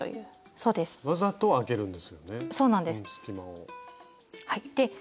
そうです。